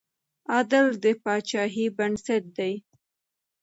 عدل د پاچاهۍ بنسټ دی.